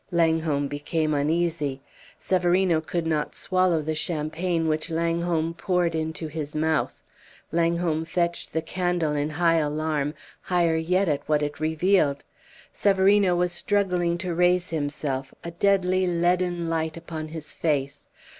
Langholm became uneasy. Severino could not swallow the champagne which Langholm poured into his mouth. Langholm fetched the candle in high alarm higher yet at what it revealed. Severino was struggling to raise himself, a deadly leaden light upon his face.